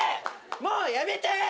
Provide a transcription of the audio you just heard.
もうやめて。